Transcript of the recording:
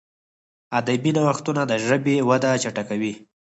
ادبي نوښتونه د ژبي وده چټکوي.